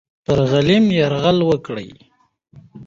پر غلیم یرغل وکړه.